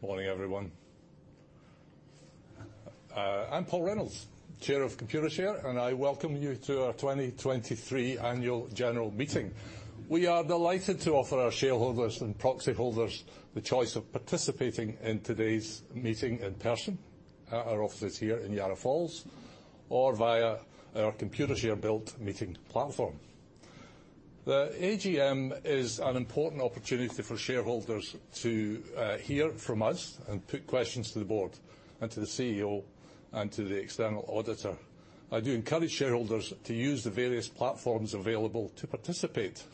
Morning, everyone. I'm Paul Reynolds, Chair of Computershare, and I welcome you to our 2023 Annual General Meeting. We are delighted to offer our shareholders and proxy holders the choice of participating in today's meeting in person, at our offices here in Yarra Falls, or via our Computershare-built meeting platform. The AGM is an important opportunity for shareholders to hear from us and put questions to the board and to the CEO and to the external auditor. I do encourage shareholders to use the various platforms available to participate.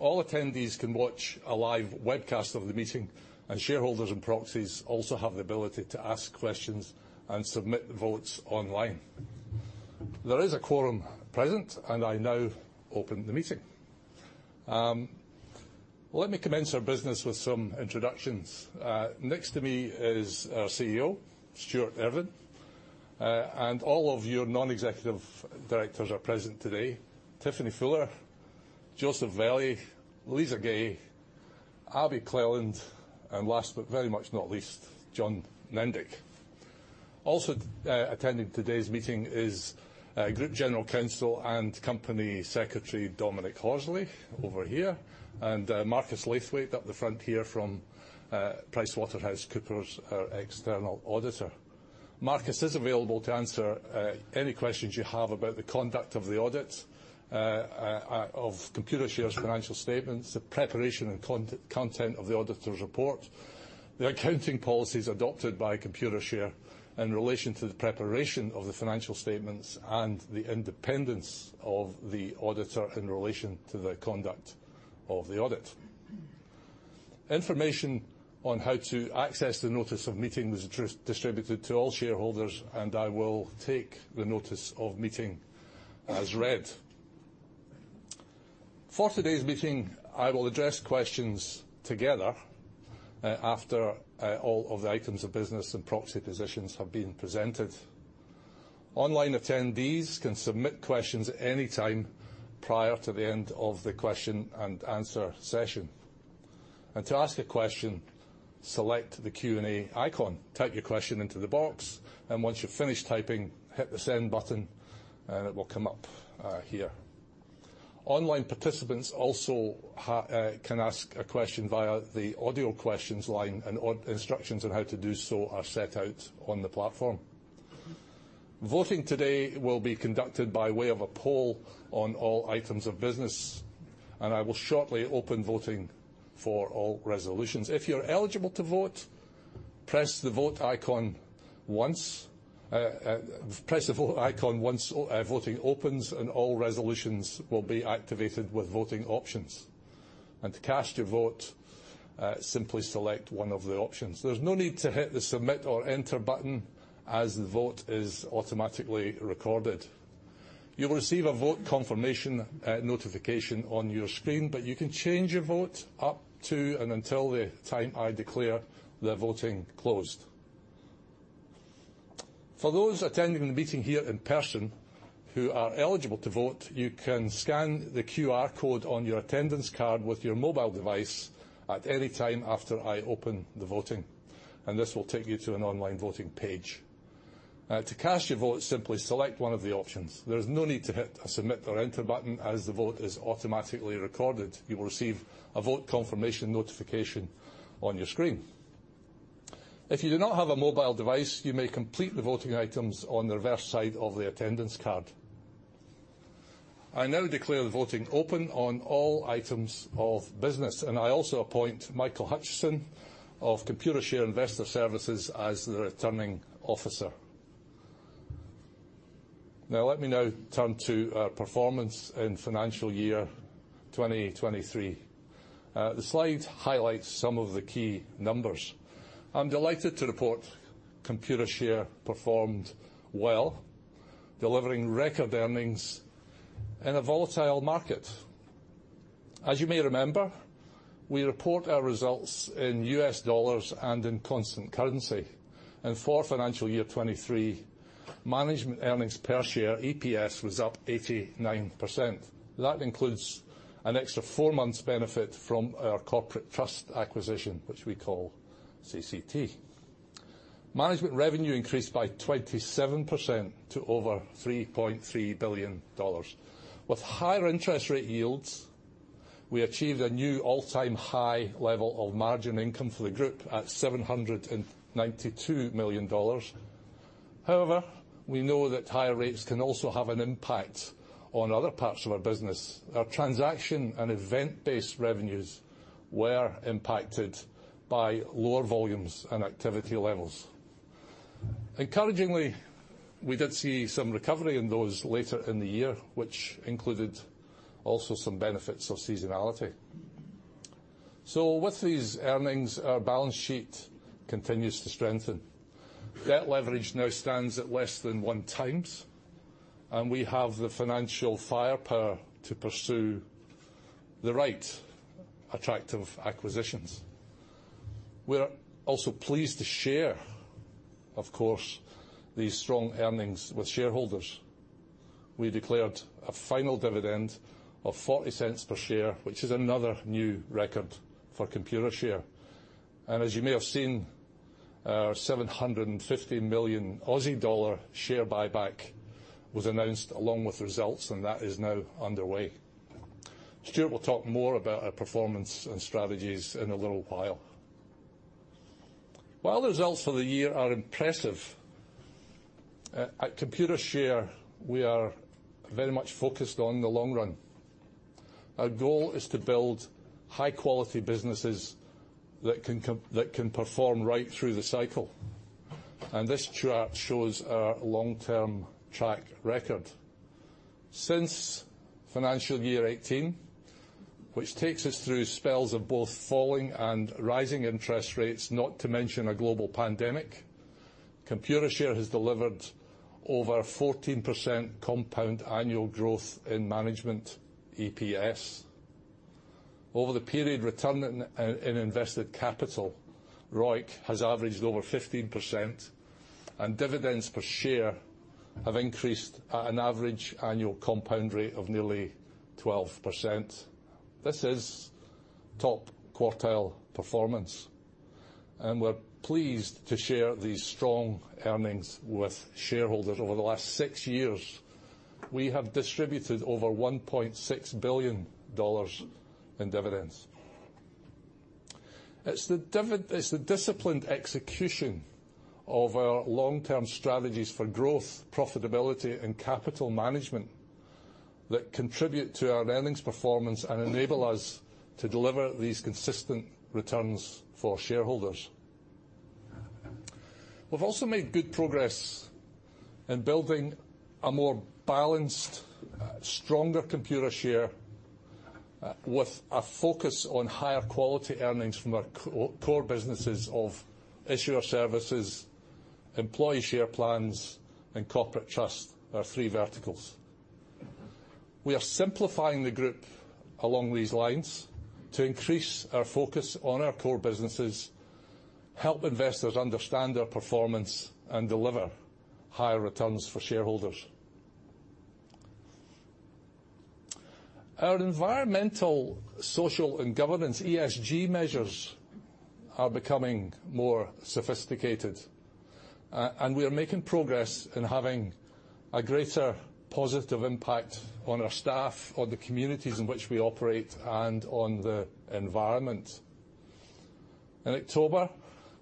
All attendees can watch a live webcast of the meeting, and shareholders and proxies also have the ability to ask questions and submit votes online. There is a quorum present, and I now open the meeting. Let me commence our business with some introductions. Next to me is our CEO, Stuart Irving, and all of your non-executive directors are present today. Tiffany Fuller, Joseph Velli, Lisa Gay, Abi Cleland, and last but very much not least, John Nendick. Also, attending today's meeting is Group General Counsel and Company Secretary, Dominic Horsley, over here, and Marcus Laithwaite, up the front here from PricewaterhouseCoopers, our external auditor. Marcus is available to answer any questions you have about the conduct of the audit of Computershare's financial statements, the preparation and content of the auditor's report, the accounting policies adopted by Computershare in relation to the preparation of the financial statements, and the independence of the auditor in relation to the conduct of the audit. Information on how to access the notice of meeting was distributed to all shareholders, and I will take the notice of meeting as read. For today's meeting, I will address questions together after all of the items of business and proxy positions have been presented. Online attendees can submit questions at any time prior to the end of the question and answer session. To ask a question, select the Q&A icon, type your question into the box, and once you've finished typing, hit the Send button, and it will come up here. Online participants also can ask a question via the audio questions line, and instructions on how to do so are set out on the platform. Voting today will be conducted by way of a poll on all items of business, and I will shortly open voting for all resolutions. If you're eligible to vote, press the Vote icon once. Press the Vote icon once, voting opens, and all resolutions will be activated with voting options. To cast your vote, simply select one of the options. There's no need to hit the Submit or Enter button, as the vote is automatically recorded. You'll receive a vote confirmation notification on your screen, but you can change your vote up to and until the time I declare the voting closed. For those attending the meeting here in person who are eligible to vote, you can scan the QR code on your attendance card with your mobile device at any time after I open the voting, and this will take you to an online voting page. To cast your vote, simply select one of the options. There is no need to hit a Submit or Enter button, as the vote is automatically recorded. You will receive a vote confirmation notification on your screen. If you do not have a mobile device, you may complete the voting items on the reverse side of the attendance card. I now declare the voting open on all items of business, and I also appoint Michael Hutchison of Computershare Investor Services as the Returning Officer. Now, let me now turn to our performance in financial year 2023. The slide highlights some of the key numbers. I'm delighted to report Computershare performed well, delivering record earnings in a volatile market. As you may remember, we report our results in U.S. dollars and in constant currency. And for financial year 2023, management earnings per share, EPS, was up 89%. That includes an extra 4 months benefit from our corporate trust acquisition, which we call CCT. Management revenue increased by 27% to over $3.3 billion. With higher interest rate yields, we achieved a new all-time high level of margin income for the group at $792 million. However, we know that higher rates can also have an impact on other parts of our business. Our transaction and event-based revenues were impacted by lower volumes and activity levels. Encouragingly, we did see some recovery in those later in the year, which included also some benefits of seasonality. So with these earnings, our balance sheet continues to strengthen. Debt leverage now stands at less than 1x, and we have the financial firepower to pursue the right attractive acquisitions. We're also pleased to share, of course, these strong earnings with shareholders.... We declared a final dividend of 0.40 per share, which is another new record for Computershare. As you may have seen, our 750 million Aussie dollar share buyback was announced along with results, and that is now underway. Stuart will talk more about our performance and strategies in a little while. While the results for the year are impressive, at Computershare, we are very much focused on the long run. Our goal is to build high-quality businesses that can perform right through the cycle, and this chart shows our long-term track record. Since financial year 2018, which takes us through spells of both falling and rising interest rates, not to mention a global pandemic, Computershare has delivered over 14% compound annual growth in management EPS. Over the period, return on invested capital, ROIC, has averaged over 15%, and dividends per share have increased at an average annual compound rate of nearly 12%. This is top-quartile performance, and we're pleased to share these strong earnings with shareholders. Over the last six years, we have distributed over $1.6 billion in dividends. It's the disciplined execution of our long-term strategies for growth, profitability, and capital management that contribute to our earnings performance and enable us to deliver these consistent returns for shareholders. We've also made good progress in building a more balanced, stronger Computershare, with a focus on higher quality earnings from our core businesses of issuer services, employee share plans, and corporate trust, our three verticals. We are simplifying the group along these lines to increase our focus on our core businesses, help investors understand our performance, and deliver higher returns for shareholders. Our environmental, social, and governance, ESG, measures are becoming more sophisticated, and we are making progress in having a greater positive impact on our staff, on the communities in which we operate, and on the environment. In October,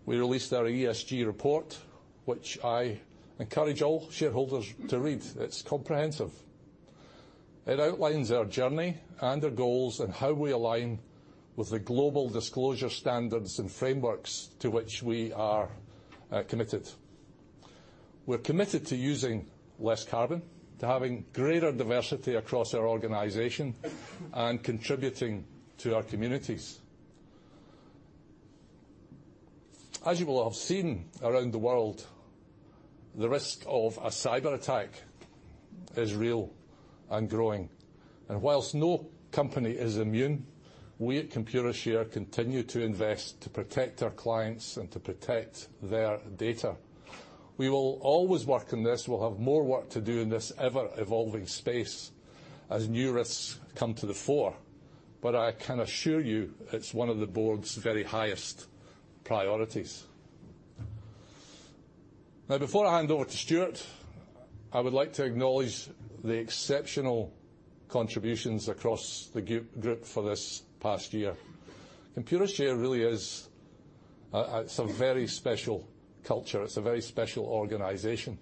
we released our ESG report, which I encourage all shareholders to read. It's comprehensive. It outlines our journey and our goals, and how we align with the global disclosure standards and frameworks to which we are committed. We're committed to using less carbon, to having greater diversity across our organization, and contributing to our communities. As you will have seen around the world, the risk of a cyberattack is real and growing, and while no company is immune, we at Computershare continue to invest to protect our clients and to protect their data. We will always work on this. We'll have more work to do in this ever-evolving space as new risks come to the fore, but I can assure you it's one of the board's very highest priorities. Now, before I hand over to Stuart, I would like to acknowledge the exceptional contributions across the group for this past year. Computershare really is a, it's a very special culture. It's a very special organization.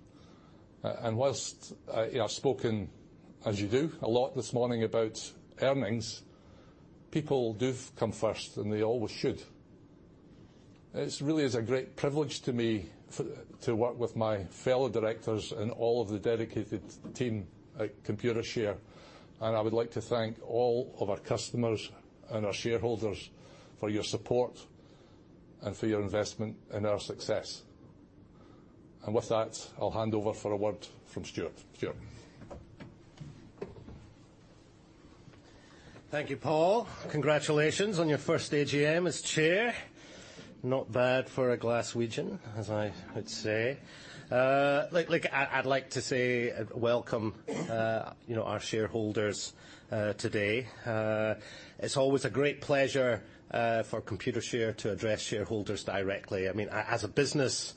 And while, you know, I've spoken, as you do, a lot this morning about earnings, people do come first, and they always should. It really is a great privilege to me to work with my fellow directors and all of the dedicated team at Computershare, and I would like to thank all of our customers and our shareholders for your support and for your investment in our success. With that, I'll hand over for a word from Stuart. Stuart? Thank you, Paul. Congratulations on your first AGM as chair. Not bad for a Glaswegian, as I would say. Like, I'd like to say welcome, you know, our shareholders today. It's always a great pleasure for Computershare to address shareholders directly. I mean, as a business,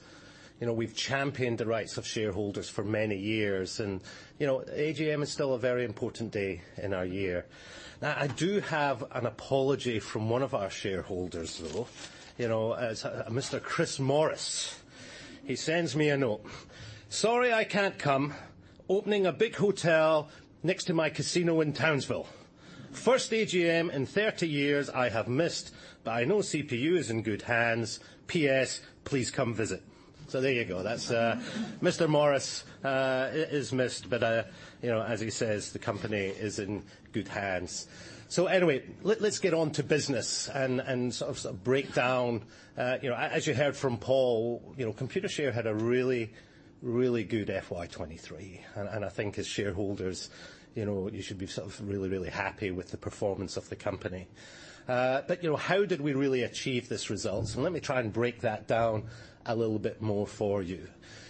you know, we've championed the rights of shareholders for many years, and, you know, AGM is still a very important day in our year. Now, I do have an apology from one of our shareholders, though, you know, a Mr. Chris Morris. He sends me a note, "Sorry I can't come. Opening a big hotel next to my casino in Townsville. First AGM in 30 years I have missed, but I know CPU is in good hands. PS, please come visit." So there you go. That's Mr. Morris is missed, but you know, as he says, the company is in good hands. So anyway, let's get on to business and sort of break down... You know, as you heard from Paul, you know, Computershare had a really, really good FY 2023, and I think as shareholders... you know, you should be sort of really, really happy with the performance of the company. But you know, how did we really achieve these results? So let me try and break that down a little bit more for you.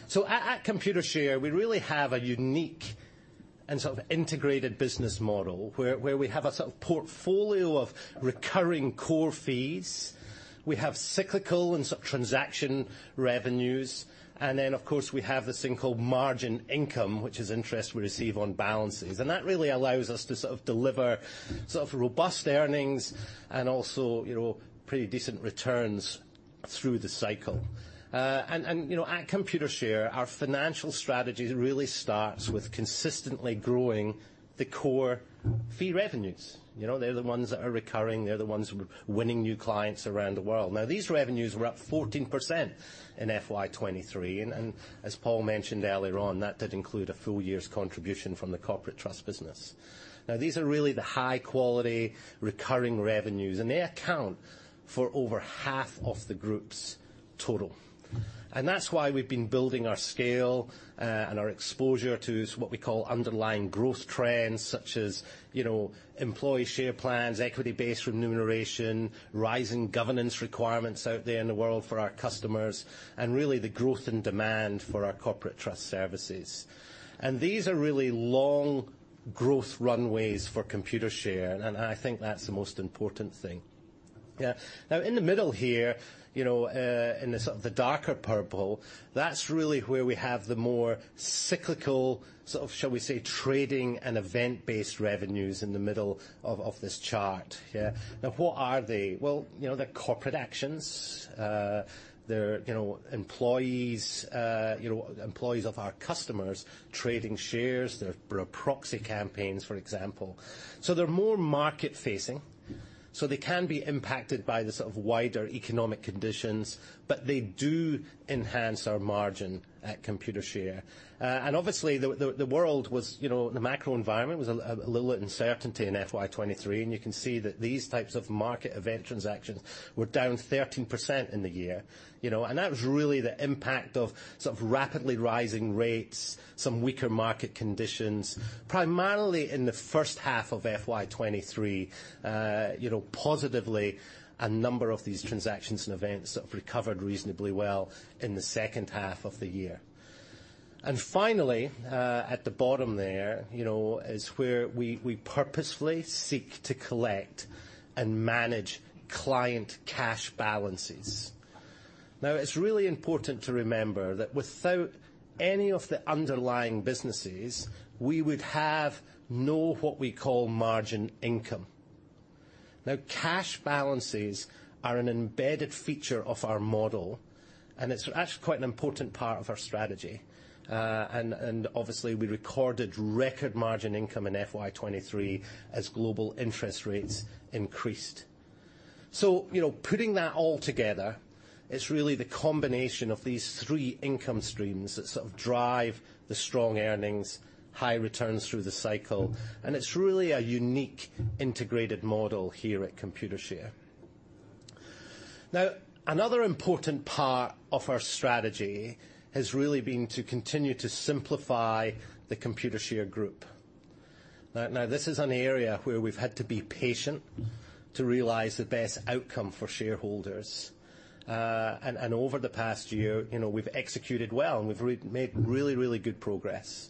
So at Computershare, we really have a unique and sort of integrated business model, where we have a sort of portfolio of recurring core fees. We have cyclical and sort of transaction revenues, and then, of course, we have this thing called margin income, which is interest we receive on balances. And that really allows us to sort of deliver sort of robust earnings and also, you know, pretty decent returns through the cycle. And, you know, at Computershare, our financial strategy really starts with consistently growing the core fee revenues. You know, they're the ones that are recurring, they're the ones who are winning new clients around the world. Now, these revenues were up 14% in FY 2023, and as Paul mentioned earlier on, that did include a full year's contribution from the corporate trust business. Now, these are really the high-quality, recurring revenues, and they account for over half of the group's total. And that's why we've been building our scale, and our exposure to what we call underlying growth trends, such as, you know, employee share plans, equity-based remuneration, rising governance requirements out there in the world for our customers, and really, the growth and demand for our corporate trust services. These are really long growth runways for Computershare, and I, I think that's the most important thing. Yeah. Now, in the middle here, you know, in the sort of the darker purple, that's really where we have the more cyclical, sort of, shall we say, trading and event-based revenues in the middle of, of this chart. Yeah. Now, what are they? Well, you know, they're corporate actions. They're, you know, employees, you know, employees of our customers, trading shares. There are proxy campaigns, for example. So they're more market-facing, so they can be impacted by the sort of wider economic conditions, but they do enhance our margin at Computershare. And obviously, the world was, you know... The macro environment was a little uncertainty in FY 2023, and you can see that these types of market event transactions were down 13% in the year, you know. And that was really the impact of sort of rapidly rising rates, some weaker market conditions, primarily in the first half of FY 2023. You know, positively, a number of these transactions and events sort of recovered reasonably well in the second half of the year. And finally, at the bottom there, you know, is where we purposefully seek to collect and manage client cash balances. Now, it's really important to remember that without any of the underlying businesses, we would have no what we call margin income. Now, cash balances are an embedded feature of our model, and it's actually quite an important part of our strategy. And obviously, we recorded record margin income in FY 2023 as global interest rates increased. So, you know, putting that all together, it's really the combination of these three income streams that sort of drive the strong earnings, high returns through the cycle, and it's really a unique integrated model here at Computershare. Now, another important part of our strategy has really been to continue to simplify the Computershare group. Now, this is an area where we've had to be patient to realize the best outcome for shareholders. And over the past year, you know, we've executed well, and we've remade really, really good progress.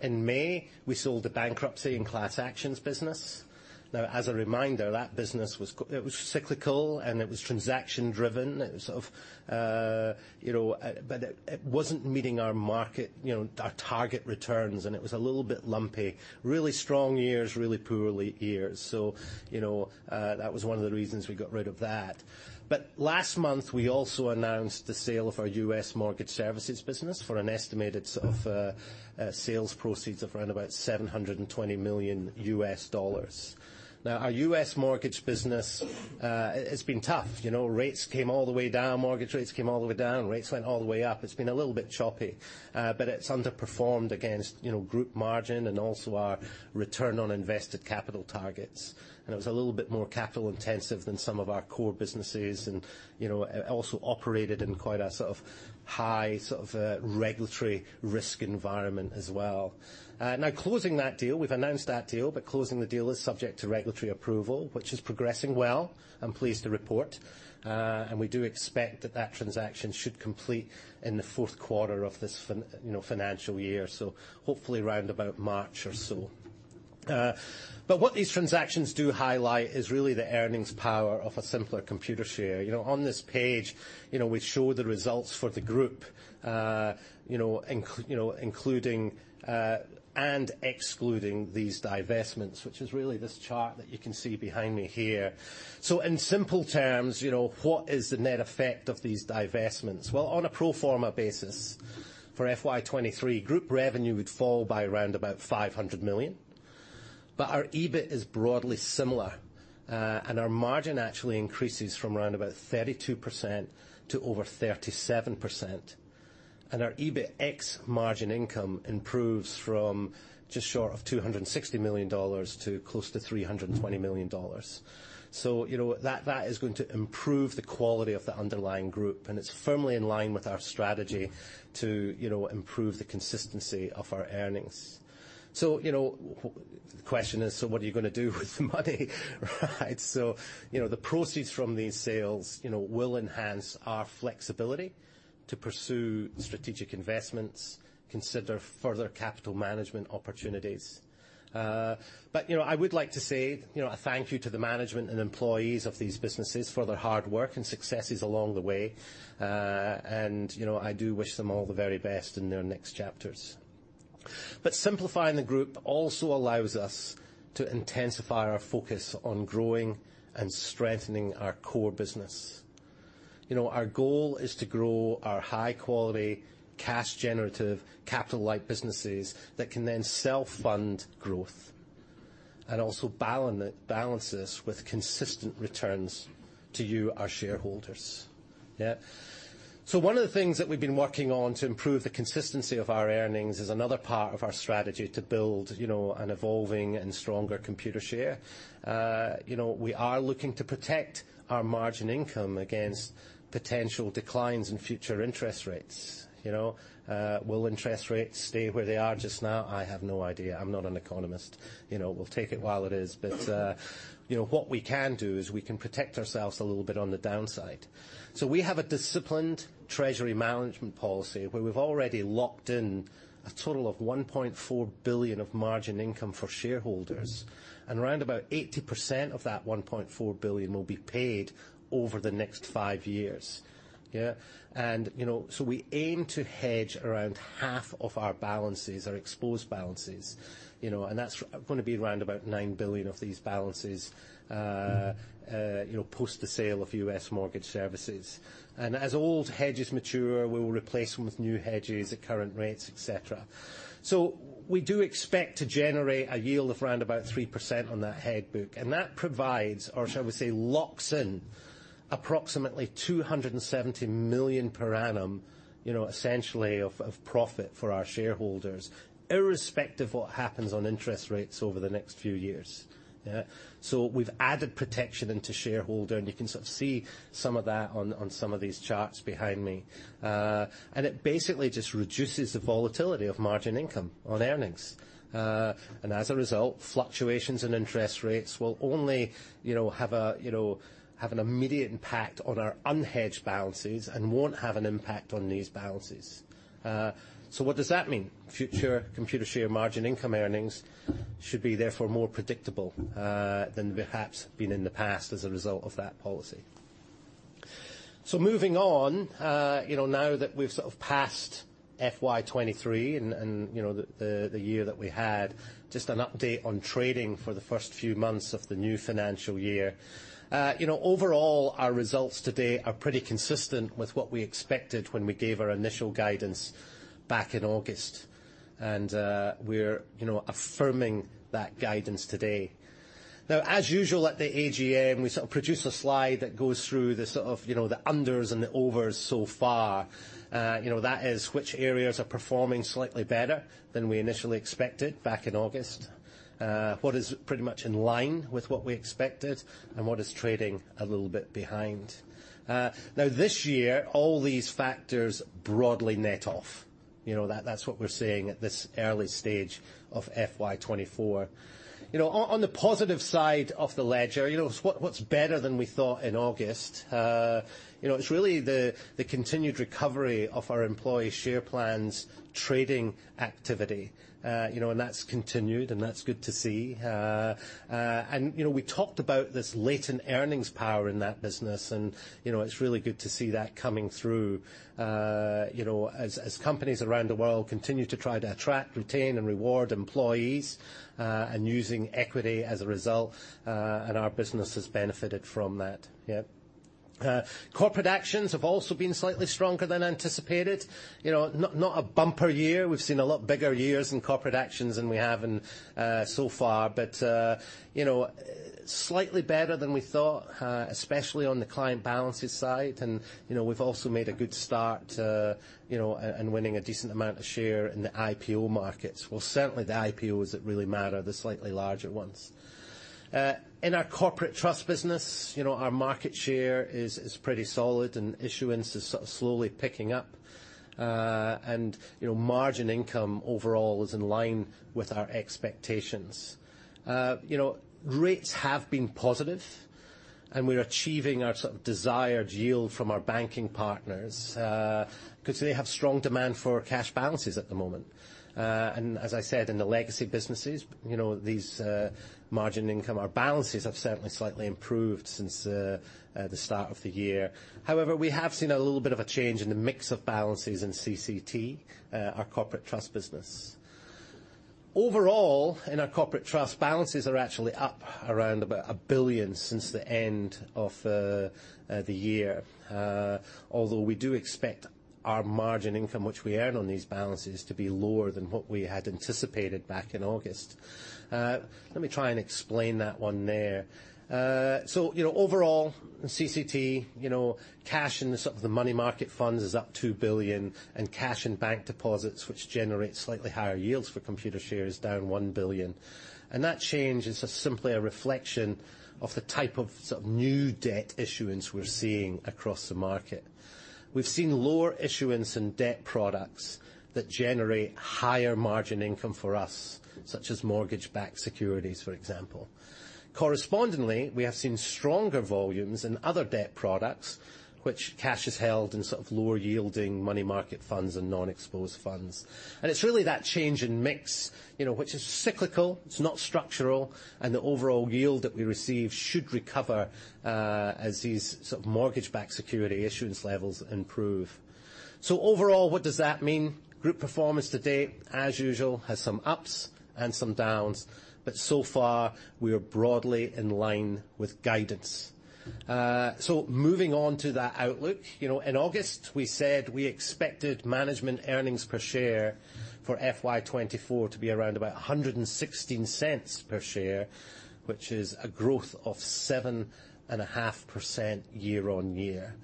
In May, we sold the bankruptcy and class actions business. Now, as a reminder, that business was cyclical, and it was transaction-driven. It was sort of. You know, but it wasn't meeting our market, you know, our target returns, and it was a little bit lumpy. Really strong years, really poorly years. So, you know, that was one of the reasons we got rid of that. But last month, we also announced the sale of our U.S. mortgage services business for an estimated sort of sales proceeds of around $720 million. Now, our U.S. mortgage business, it's been tough. You know, rates came all the way down, mortgage rates came all the way down, rates went all the way up. It's been a little bit choppy, but it's underperformed against, you know, group margin and also our return on invested capital targets. And it was a little bit more capital-intensive than some of our core businesses and, you know, it also operated in quite a sort of high, sort of, regulatory risk environment as well. Now closing that deal, we've announced that deal, but closing the deal is subject to regulatory approval, which is progressing well, I'm pleased to report. And we do expect that that transaction should complete in the fourth quarter of this financial year, so hopefully around about March or so. But what these transactions do highlight is really the earnings power of a simpler Computershare. You know, on this page, you know, we show the results for the group, you know, including, and excluding these divestments, which is really this chart that you can see behind me here. So in simple terms, you know, what is the net effect of these divestments? Well, on a pro forma basis for FY 2023, group revenue would fall by around about $500 million, but Our EBIT is broadly similar, and our margin actually increases from around about 32% to over 37%.... and our EBITX margin income improves from just short of $260 million to close to $320 million. So, you know, that, that is going to improve the quality of the underlying group, and it's firmly in line with our strategy to, you know, improve the consistency of our earnings. So, you know, the question is, so what are you gonna do with the money? Right. So, you know, the proceeds from these sales, you know, will enhance our flexibility to pursue strategic investments, consider further capital management opportunities. But, you know, I would like to say, you know, a thank you to the management and employees of these businesses for their hard work and successes along the way. And, you know, I do wish them all the very best in their next chapters. But simplifying the group also allows us to intensify our focus on growing and strengthening our core business. You know, our goal is to grow our high quality, cash-generative, capital-like businesses that can then self-fund growth, and also balance this with consistent returns to you, our shareholders. Yeah? So one of the things that we've been working on to improve the consistency of our earnings is another part of our strategy to build, you know, an evolving and stronger Computershare. You know, we are looking to protect our margin income against potential declines in future interest rates. You know, will interest rates stay where they are just now? I have no idea. I'm not an economist. You know, we'll take it while it is, but, you know, what we can do, is we can protect ourselves a little bit on the downside. So we have a disciplined treasury management policy, where we've already locked in a total of $1.4 billion of margin income for shareholders. And around about 80% of that $1.4 billion will be paid over the next five years. Yeah? You know, so we aim to hedge around half of our balances, our exposed balances, you know, and that's gonna be around about $9 billion of these balances, you know, post the sale of U.S. mortgage services. And as old hedges mature, we will replace them with new hedges at current rates, et cetera. So we do expect to generate a yield of around about 3% on that hedge book. And that provides, or shall we say, locks in, approximately $270 million per annum, you know, essentially of profit for our shareholders, irrespective of what happens on interest rates over the next few years. Yeah? So we've added protection into shareholder, and you can sort of see some of that on some of these charts behind me. And it basically just reduces the volatility of margin income on earnings. And as a result, fluctuations in interest rates will only, you know, have a, you know, have an immediate impact on our unhedged balances, and won't have an impact on these balances. So what does that mean? Future Computershare margin income earnings should be therefore more predictable, than perhaps been in the past as a result of that policy. So moving on, you know, now that we've sort of passed FY 2023, and you know, the year that we had, just an update on trading for the first few months of the new financial year. You know, overall, our results today are pretty consistent with what we expected when we gave our initial guidance back in August, and we're, you know, affirming that guidance today. Now, as usual, at the AGM, we sort of produce a slide that goes through the sort of, you know, the unders and the overs so far. You know, that is which areas are performing slightly better than we initially expected back in August. What is pretty much in line with what we expected, and what is trading a little bit behind. Now this year, all these factors broadly net off. You know, that, that's what we're seeing at this early stage of FY 2024. You know, on, on the positive side of the ledger, you know, so what, what's better than we thought in August? You know, it's really the, the continued recovery of our employee share plans, trading activity. You know, and that's continued, and that's good to see. And, you know, we talked about this latent earnings power in that business, and, you know, it's really good to see that coming through. You know, as companies around the world continue to try to attract, retain, and reward employees, and using equity as a result, and our business has benefited from that. Yeah. Corporate actions have also been slightly stronger than anticipated. You know, not a bumper year. We've seen a lot bigger years in corporate actions than we have in so far. But, you know, slightly better than we thought, especially on the client balances side. And, you know, we've also made a good start, you know, and winning a decent amount of share in the IPO markets. Well, certainly the IPOs that really matter, the slightly larger ones. In our corporate trust business, you know, our market share is pretty solid, and issuance is sort of slowly picking up. And, you know, margin income overall is in line with our expectations. You know, rates have been positive, and we're achieving our sort of desired yield from our banking partners, 'cause they have strong demand for cash balances at the moment. And as I said, in the legacy businesses, you know, these, margin income, our balances have certainly slightly improved since, the start of the year. However, we have seen a little bit of a change in the mix of balances in CCT, our corporate trust business. Overall, in our corporate trust, balances are actually up around about $1 billion since the end of the year. Although we do expect-... Our margin income, which we earn on these balances, to be lower than what we had anticipated back in August. Let me try and explain that one there. So, you know, overall, in CCT, you know, cash in the money market funds is up $2 billion, and cash in bank deposits, which generate slightly higher yields for Computershare, is down $1 billion. And that change is just simply a reflection of the type of new debt issuance we're seeing across the market. We've seen lower issuance in debt products that generate higher margin income for us, such as mortgage-backed securities, for example. Correspondingly, we have seen stronger volumes in other debt products, which cash is held in lower-yielding money market funds and non-exposed funds. It's really that change in mix, you know, which is cyclical, it's not structural, and the overall yield that we receive should recover, as these sort of mortgage-backed security issuance levels improve. So overall, what does that mean? Group performance to date, as usual, has some ups and some downs, but so far, we are broadly in line with guidance. So moving on to that outlook. You know, in August, we said we expected management earnings per share for FY 2024 to be around about $1.16 per share, which is a growth of 7.5% year-on-year.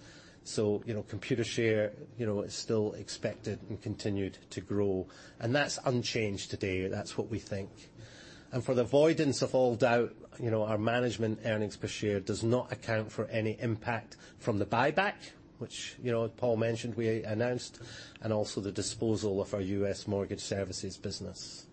So, you know, Computershare, you know, is still expected and continued to grow, and that's unchanged today. That's what we think. For the avoidance of all doubt, you know, our management earnings per share does not account for any impact from the buyback, which, you know, Paul mentioned we announced, and also the disposal of our U.S. mortgage services business.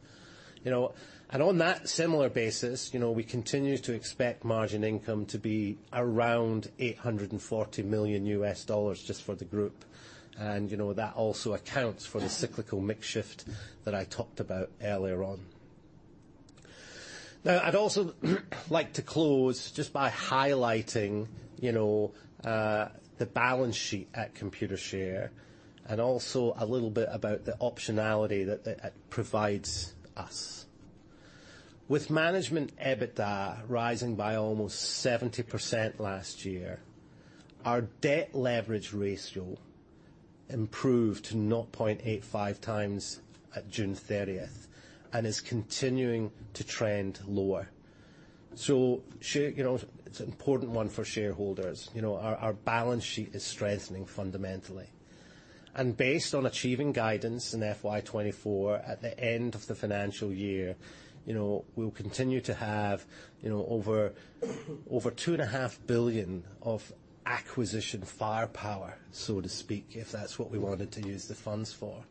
You know, and on that similar basis, you know, we continue to expect margin income to be around $840 million just for the group. You know, that also accounts for the cyclical mix shift that I talked about earlier on. Now, I'd also like to close just by highlighting, you know, the balance sheet at Computershare, and also a little bit about the optionality that it provides us. With management EBITDA rising by almost 70% last year, our debt leverage ratio improved to 0.85x at June 30th, and is continuing to trend lower. So, you know, it's an important one for shareholders. You know, our balance sheet is strengthening fundamentally. And based on achieving guidance in FY 2024, at the end of the financial year, you know, we'll continue to have, you know, over $2.5 billion of acquisition firepower, so to speak, if that's what we wanted to use the funds for.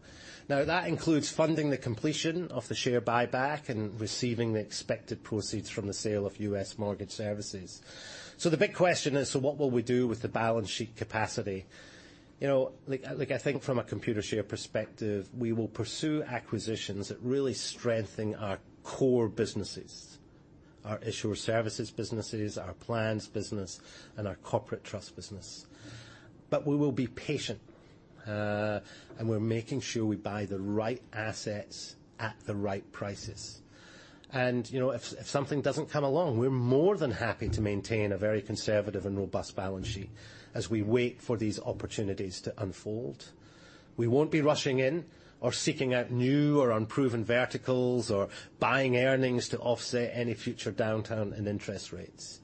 Now, that includes funding the completion of the share buyback and receiving the expected proceeds from the sale of U.S. mortgage services. So the big question is, so what will we do with the balance sheet capacity? You know, like, I think from a Computershare perspective, we will pursue acquisitions that really strengthen our core businesses, our issuer services businesses, our plans business, and our corporate trust business. But we will be patient, and we're making sure we buy the right assets at the right prices. And, you know, if something doesn't come along, we're more than happy to maintain a very conservative and robust balance sheet as we wait for these opportunities to unfold. We won't be rushing in or seeking out new or unproven verticals or buying earnings to offset any future downturn in interest rates.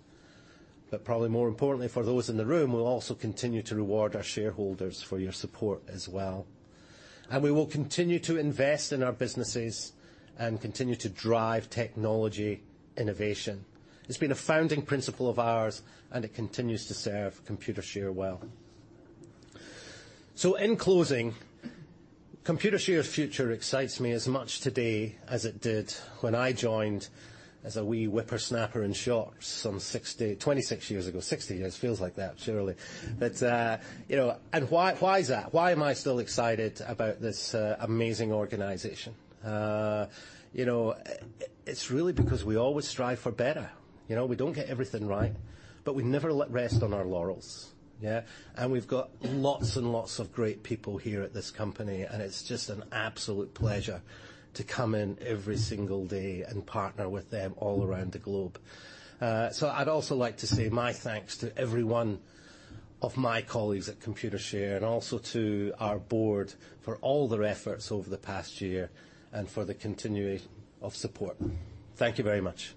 But probably more importantly, for those in the room, we'll also continue to reward our shareholders for your support as well, and we will continue to invest in our businesses and continue to drive technology innovation. It's been a founding principle of ours, and it continues to serve Computershare well. So in closing, Computershare's future excites me as much today as it did when I joined as a wee whippersnapper in shorts some 26 years ago. Sixty years feels like that, surely. But, you know, and why, why is that? Why am I still excited about this amazing organization? You know, it, it's really because we always strive for better. You know, we don't get everything right, but we never let rest on our laurels, yeah? And we've got lots and lots of great people here at this company, and it's just an absolute pleasure to come in every single day and partner with them all around the globe. So I'd also like to say my thanks to every one of my colleagues at Computershare, and also to our board, for all their efforts over the past year and for the continuing of support. Thank you very much.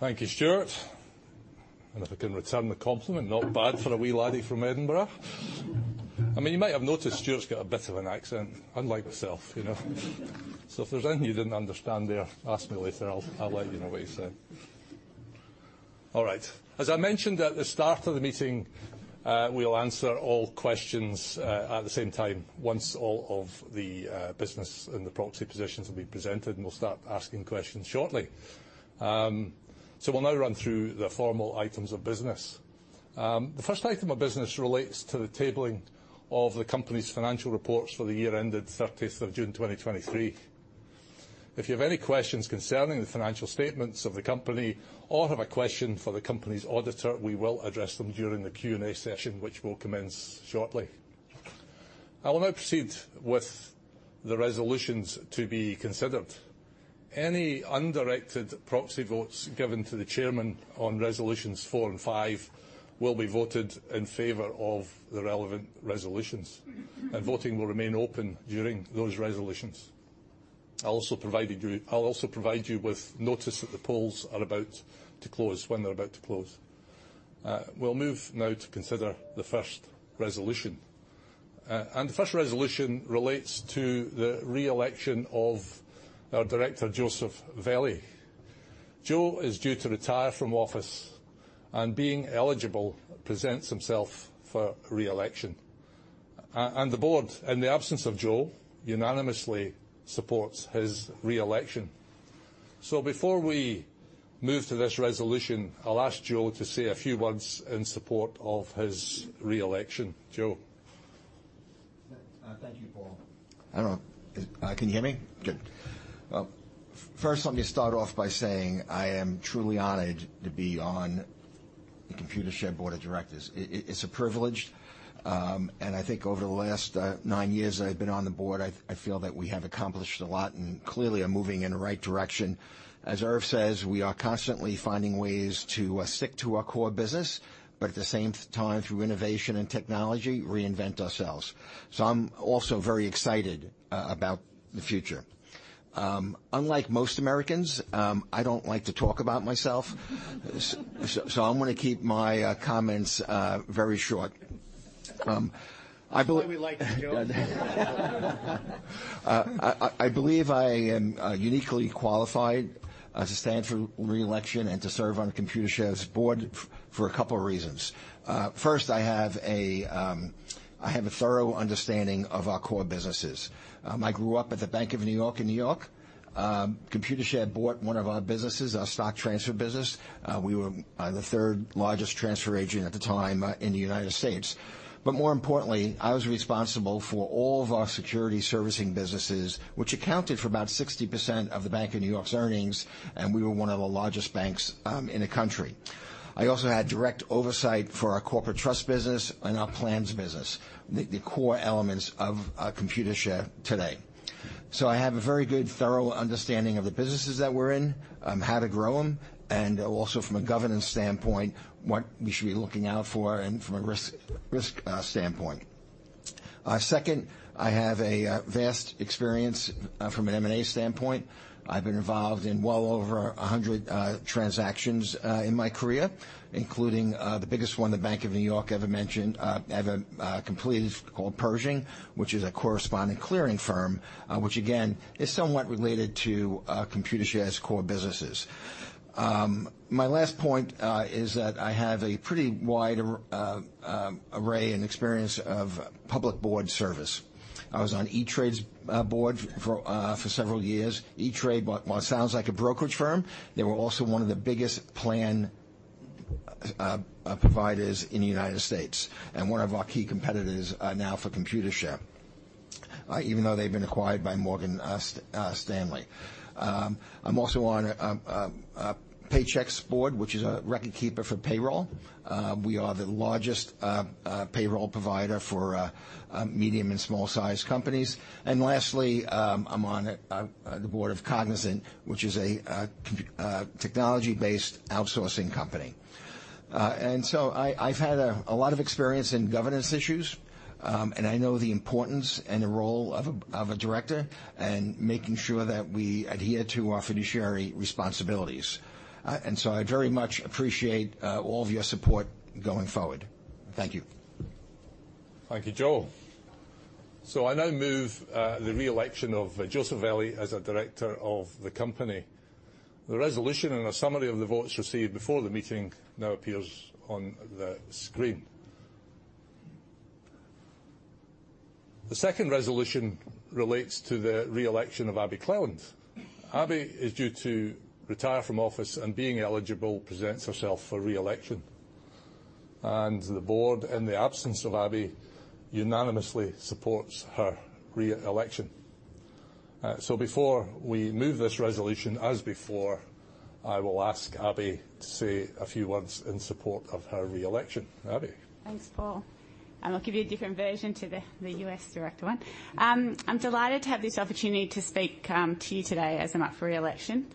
Thank you, Stuart. And if I can return the compliment, not bad for a wee laddie from Edinburgh. I mean, you might have noticed Stuart's got a bit of an accent, unlike myself, you know? So if there's anything you didn't understand there, ask me later. I'll let you know what he said. All right. As I mentioned at the start of the meeting, we'll answer all questions at the same time, once all of the business and the proxy positions have been presented, and we'll start asking questions shortly. So we'll now run through the formal items of business. The first item of business relates to the tabling of the company's financial reports for the year ended 30th of June, 2023. If you have any questions concerning the financial statements of the company or have a question for the company's auditor, we will address them during the Q&A session, which will commence shortly. I will now proceed with the resolutions to be considered. Any undirected proxy votes given to the chairman on resolutions four and five will be voted in favor of the relevant resolutions, and voting will remain open during those resolutions. I'll also provide you with notice that the polls are about to close, when they're about to close. We'll move now to consider the first resolution. And the first resolution relates to the re-election of our director, Joseph Velli. Joe is due to retire from office, and being eligible, presents himself for re-election. And the board, in the absence of Joe, unanimously supports his re-election. Before we move to this resolution, I'll ask Joe to say a few words in support of his re-election. Joe? Thank you, Paul. I don't know, can you hear me? Good. Well, first, let me start off by saying I am truly honored to be on the Computershare Board of Directors. It's a privilege, and I think over the last nine years that I've been on the board, I feel that we have accomplished a lot and clearly are moving in the right direction. As Irv says, we are constantly finding ways to stick to our core business, but at the same time, through innovation and technology, reinvent ourselves. So I'm also very excited about the future. Unlike most Americans, I don't like to talk about myself. So I'm gonna keep my comments very short. I believe- That's why we like you, Joe. I believe I am uniquely qualified to stand for re-election and to serve on Computershare's board for a couple of reasons. First, I have a thorough understanding of our core businesses. I grew up at the Bank of New York in New York. Computershare bought one of our businesses, our stock transfer business. We were the third largest transfer agent at the time in the United States. But more importantly, I was responsible for all of our security servicing businesses, which accounted for about 60% of the Bank of New York's earnings, and we were one of the largest banks in the country. I also had direct oversight for our corporate trust business and our plans business, the core elements of Computershare today. So I have a very good, thorough understanding of the businesses that we're in, how to grow them, and also from a governance standpoint, what we should be looking out for and from a risk standpoint. Second, I have a vast experience from an M&A standpoint. I've been involved in well over 100 transactions in my career, including the biggest one the Bank of New York ever completed called Pershing, which is a corresponding clearing firm, which again, is somewhat related to Computershare's core businesses. My last point is that I have a pretty wide array of experience of public board service. I was on E*TRADE's board for several years. E*TRADE, while it sounds like a brokerage firm, they were also one of the biggest plan providers in the United States and one of our key competitors now for Computershare, even though they've been acquired by Morgan Stanley. I'm also on Paychex's board, which is a record keeper for payroll. We are the largest payroll provider for medium and small-sized companies. And lastly, I'm on the board of Cognizant, which is a technology-based outsourcing company. And so I, I've had a lot of experience in governance issues, and I know the importance and the role of a director, and making sure that we adhere to our fiduciary responsibilities. And so I very much appreciate all of your support going forward. Thank you. Thank you, Joe. So I now move the re-election of Joseph Velli as a director of the company. The resolution and a summary of the votes received before the meeting now appears on the screen. The second resolution relates to the re-election of Abi Cleland. Abi is due to retire from office, and being eligible, presents herself for re-election. And the board, in the absence of Abi, unanimously supports her re-election. So before we move this resolution, as before, I will ask Abi to say a few words in support of her re-election. Abi? Thanks, Paul. I'll give you a different version to the, the U.S. director one. I'm delighted to have this opportunity to speak to you today as I'm up for re-election.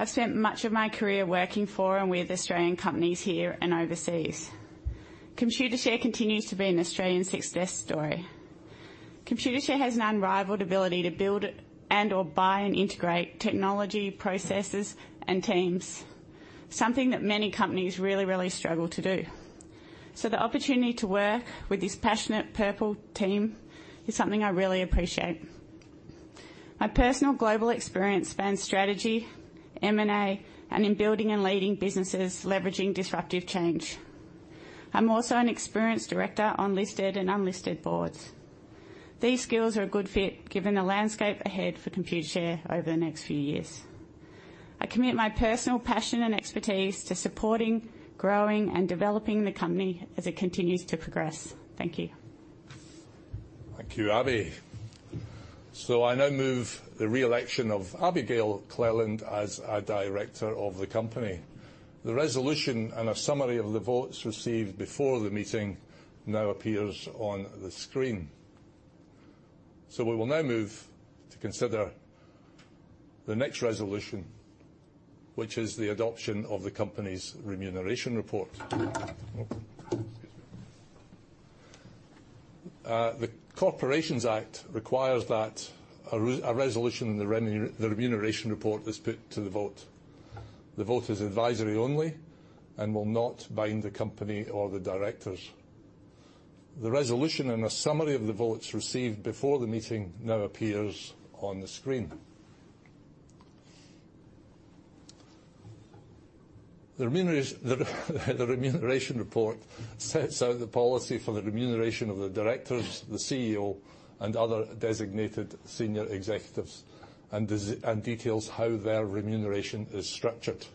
I've spent much of my career working for and with Australian companies here and overseas. Computershare continues to be an Australian success story. Computershare has an unrivaled ability to build and/or buy and integrate technology, processes, and teams, something that many companies really, really struggle to do. So the opportunity to work with this passionate purple team is something I really appreciate. My personal global experience spans strategy, M&A, and in building and leading businesses, leveraging disruptive change. I'm also an experienced director on listed and unlisted boards. These skills are a good fit, given the landscape ahead for Computershare over the next few years. I commit my personal passion and expertise to supporting, growing, and developing the company as it continues to progress. Thank you. Thank you, Abi. I now move the re-election of Abigail Cleland as a director of the company. The resolution and a summary of the votes received before the meeting now appears on the screen. We will now move to consider the next resolution, which is the adoption of the company's remuneration report. The Corporations Act requires that a resolution in the remuneration report is put to the vote. The vote is advisory only and will not bind the company or the directors. The resolution and a summary of the votes received before the meeting now appears on the screen. The remuneration report sets out the policy for the remuneration of the directors, the CEO, and other designated senior executives, and details how their remuneration is structured.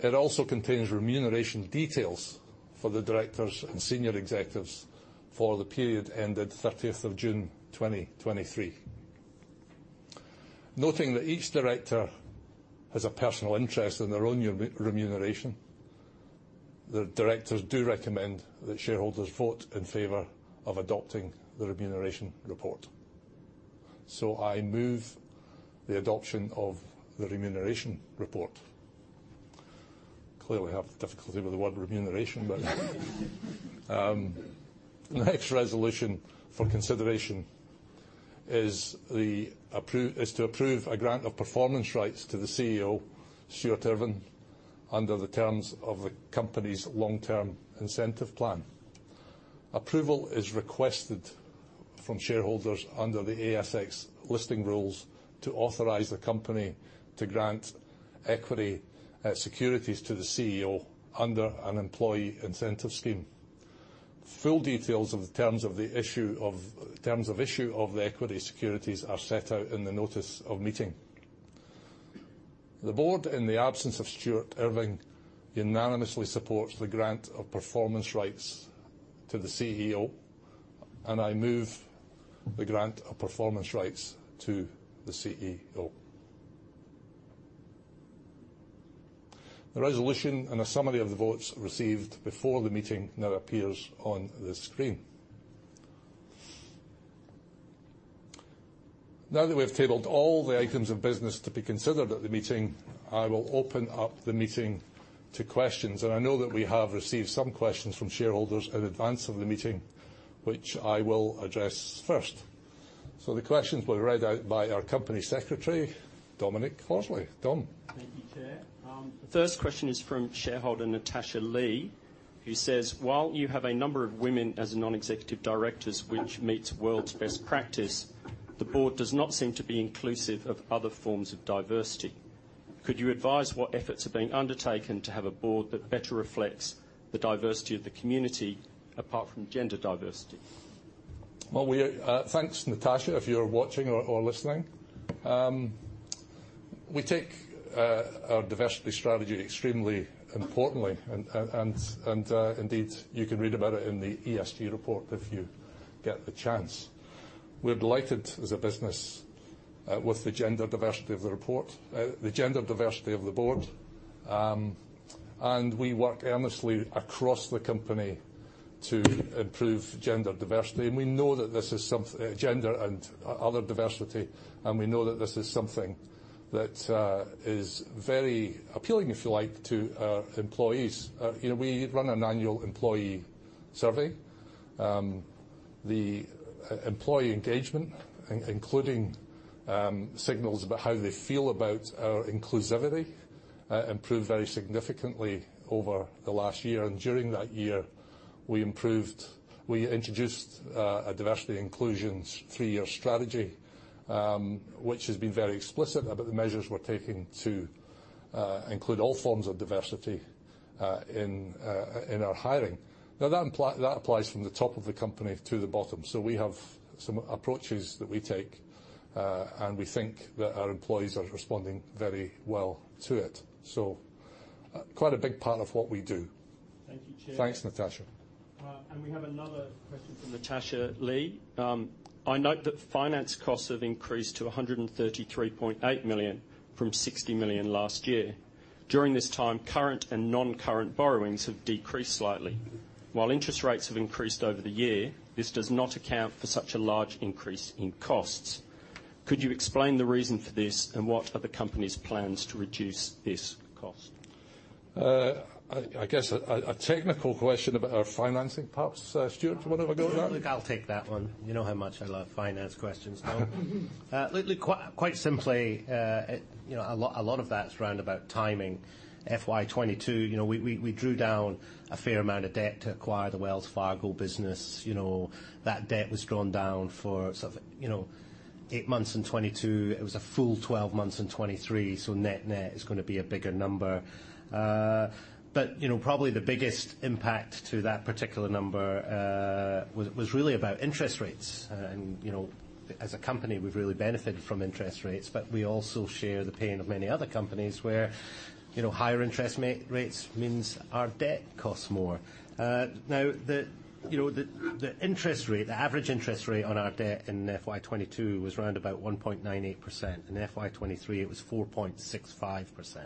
It also contains remuneration details for the directors and senior executives for the period ended 30th of June, 2023. Noting that each director has a personal interest in their own remuneration, the directors do recommend that shareholders vote in favor of adopting the remuneration report. So I move the adoption of the remuneration report. Clearly, I have difficulty with the word remuneration, but the next resolution for consideration is to approve a grant of performance rights to the CEO, Stuart Irving, under the terms of the company's long-term incentive plan. Approval is requested from shareholders under the ASX listing rules to authorize the company to grant equity securities to the CEO under an employee incentive scheme. Full details of the terms of issue of the equity securities are set out in the notice of meeting. The board, in the absence of Stuart Irving, unanimously supports the grant of performance rights to the CEO, and I move the grant of performance rights to the CEO. The resolution and a summary of the votes received before the meeting now appears on the screen. Now that we have tabled all the items of business to be considered at the meeting, I will open up the meeting to questions, and I know that we have received some questions from shareholders in advance of the meeting, which I will address first. So the questions will be read out by our company secretary, Dominic Horsley. Dom? Thank you, Chair. The first question is from shareholder Natasha Lee, who says: "While you have a number of women as non-executive directors, which meets world's best practice, the board does not seem to be inclusive of other forms of diversity. Could you advise what efforts are being undertaken to have a board that better reflects the diversity of the community, apart from gender diversity? Well, thanks, Natasha, if you're watching or listening. We take our diversity strategy extremely importantly, and indeed, you can read about it in the ESG report if you get the chance. We're delighted as a business with the gender diversity of the report, the gender diversity of the board. And we work earnestly across the company to improve gender diversity, and we know that this is something, gender and other diversity, and we know that this is something that is very appealing, if you like, to our employees. You know, we run an annual employee survey. The employee engagement, including signals about how they feel about our inclusivity, improved very significantly over the last year, and during that year, we introduced a diversity inclusion three-year strategy, which has been very explicit about the measures we're taking to include all forms of diversity in our hiring. Now, that applies from the top of the company to the bottom. So we have some approaches that we take, and we think that our employees are responding very well to it. So quite a big part of what we do. Thank you, Chair. Thanks, Natasha. We have another question from Natasha Lee. I note that finance costs have increased to $133.8 million from $60 million last year. During this time, current and non-current borrowings have decreased slightly. While interest rates have increased over the year, this does not account for such a large increase in costs. Could you explain the reason for this, and what are the company's plans to reduce this cost? I guess a technical question about our financing, perhaps, Stuart, do you want to have a go at that? I'll take that one. You know how much I love finance questions, Dom. Look, quite, quite simply, you know, a lot, a lot of that's round about timing. FY 2022, you know, we, we drew down a fair amount of debt to acquire the Wells Fargo business. You know, that debt was drawn down for sort of, you know, eight months in 2022. It was a full 12 months in 2023, so net-net is gonna be a bigger number. But, you know, probably the biggest impact to that particular number was really about interest rates. And, you know, as a company, we've really benefited from interest rates, but we also share the pain of many other companies where, you know, higher interest rates means our debt costs more. Now, the-... You know, the interest rate, the average interest rate on our debt in FY 2022 was around about 1.98%. In FY 2023, it was 4.65%.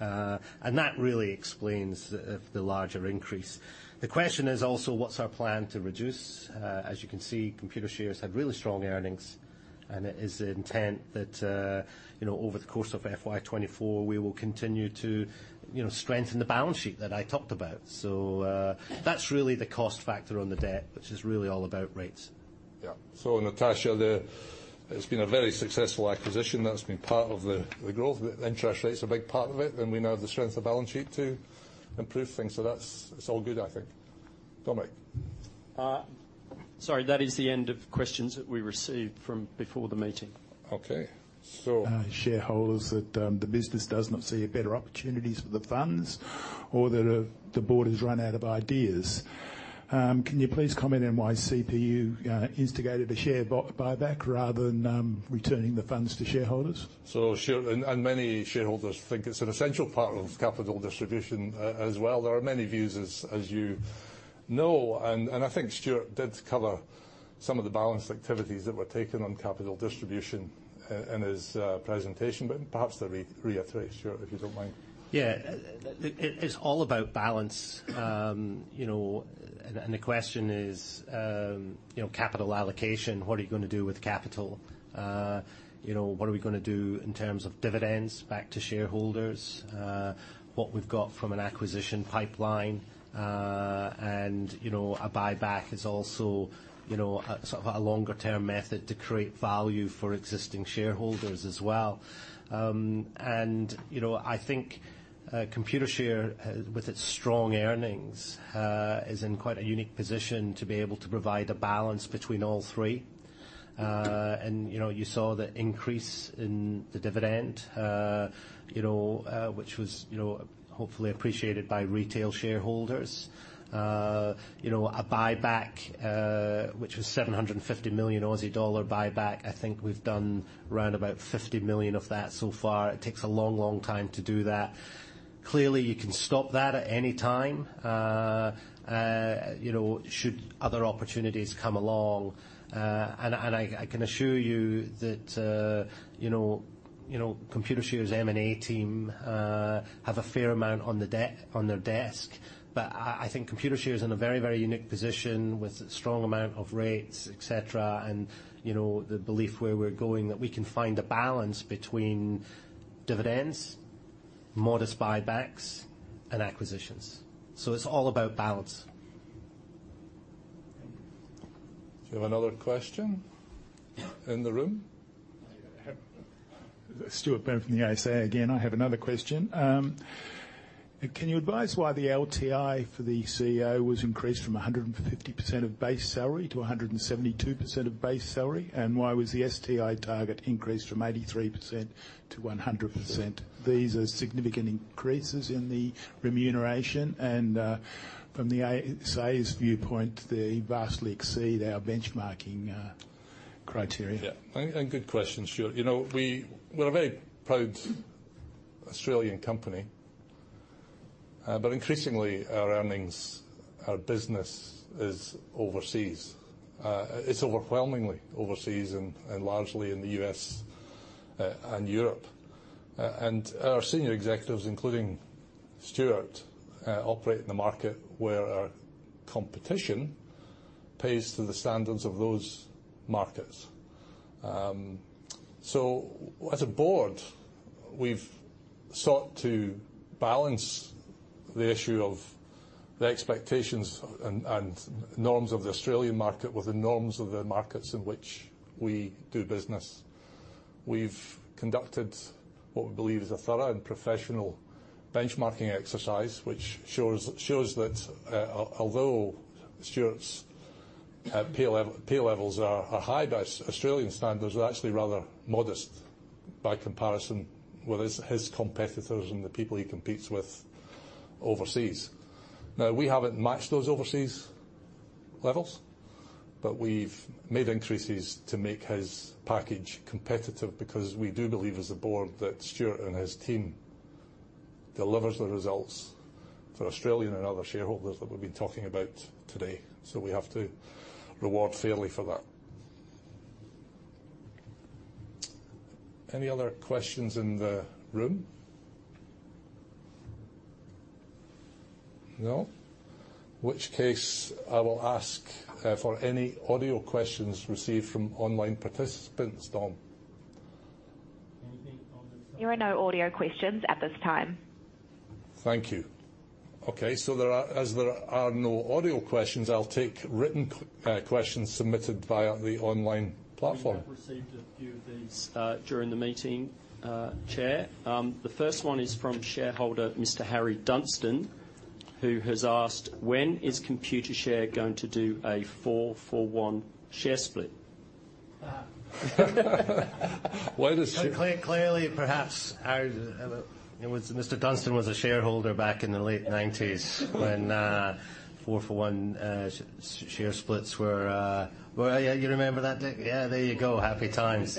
And that really explains the larger increase. The question is also what's our plan to reduce? As you can see, Computershare's had really strong earnings, and it is the intent that, you know, over the course of FY 2024, we will continue to, you know, strengthen the balance sheet that I talked about. So, that's really the cost factor on the debt, which is really all about rates. Yeah. So Natasha, it's been a very successful acquisition. That's been part of the growth. The interest rate's a big part of it, and we now have the strength of balance sheet to improve things. So it's all good, I think. Dominic? Sorry, that is the end of questions that we received from before the meeting. Okay, so- Shareholders, that the business does not see better opportunities for the funds or that the board has run out of ideas. Can you please comment on why CPU instigated a share buyback rather than returning the funds to shareholders? So sure. And many shareholders think it's an essential part of capital distribution as well. There are many views as you know, and I think Stuart did cover some of the balanced activities that were taken on capital distribution in his presentation. But perhaps to reiterate, Stuart, if you don't mind. Yeah. It's all about balance. You know, and the question is, you know, capital allocation, what are you gonna do with capital? You know, what are we gonna do in terms of dividends back to shareholders? What we've got from an acquisition pipeline, and, you know, a buyback is also, you know, sort of a longer-term method to create value for existing shareholders as well. And, you know, I think, Computershare, with its strong earnings, is in quite a unique position to be able to provide a balance between all three. And, you know, you saw the increase in the dividend, you know, which was, you know, hopefully appreciated by retail shareholders. You know, a buyback, which was $750 million buyback, I think we've done around about 50 million of that so far. It takes a long, long time to do that. Clearly, you can stop that at any time, you know, you know, Computershare's M&A team have a fair amount on their desk. But I think Computershare is in a very, very unique position with a strong amount of rates, et cetera, and, you know, the belief where we're going, that we can find a balance between dividends, modest buybacks, and acquisitions. So it's all about balance. Do you have another question in the room? Stuart Burns from the ASA again. I have another question. Can you advise why the LTI for the CEO was increased from 150% of base salary to 172% of base salary? And why was the STI target increased from 83%-100%? These are significant increases in the remuneration, and from the ASA's viewpoint, they vastly exceed our benchmarking criteria. Yeah, and good question, Stephen. You know, we're a very proud Australian company, but increasingly, our earnings, our business is overseas. It's overwhelmingly overseas and largely in the U.S. and Europe. And our senior executives, including Stuart, operate in the market where our competition pays to the standards of those markets. So as a board, we've sought to balance the issue of the expectations and norms of the Australian market with the norms of the markets in which we do business. We've conducted what we believe is a thorough and professional benchmarking exercise, which shows that although Stuart's pay levels are high by Australian standards, they're actually rather modest by comparison with his competitors and the people he competes with overseas. Now, we haven't matched those overseas levels, but we've made increases to make his package competitive because we do believe, as a board, that Stuart and his team delivers the results for Australian and other shareholders that we've been talking about today. So we have to reward fairly for that. Any other questions in the room? No? In which case, I will ask for any audio questions received from online participants, Dom. Anything from the- There are no audio questions at this time. Thank you. Okay, as there are no audio questions, I'll take written questions submitted via the online platform. We have received a few of these during the meeting, Chair. The first one is from shareholder Mr Harry Dunstan, who has asked: When is Computershare going to do a four for one share split?... Why does- Clearly, perhaps our Mr. Dunstan was a shareholder back in the late 1990s when four for one share splits were... Well, yeah, you remember that, Dick? Yeah, there you go. Happy times.